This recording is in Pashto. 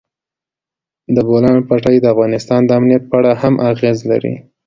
د بولان پټي د افغانستان د امنیت په اړه هم اغېز لري.